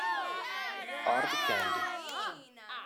Hard Candy